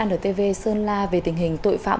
ntv sơn la về tình hình tội phạm